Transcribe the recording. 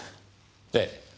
ええ。